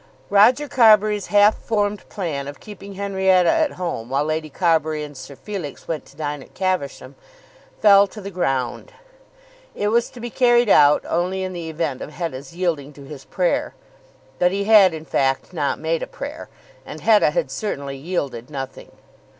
Roger Carbury's half formed plan of keeping Henrietta at home while Lady Carbury and Sir Felix went to dine at Caversham fell to the ground. It was to be carried out only in the event of Hetta's yielding to his prayer. But he had in fact not made a prayer, and Hetta had certainly yielded nothing.